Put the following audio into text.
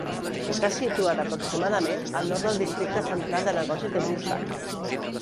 Està situat aproximadament al nord del districte central de negocis de Brisbane.